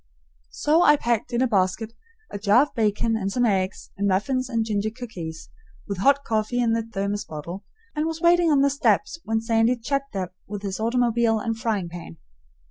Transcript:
So I packed in a basket a jar of bacon and some eggs and muffins and ginger cookies, with hot coffee in the thermos bottle, and was waiting on the steps when Sandy chugged up with his automobile and frying pan.